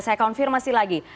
saya konfirmasi lagi